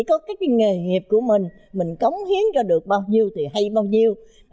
có cái nghề nghiệp của mình mình cống hiến cho được bao nhiêu thì hay bao nhiêu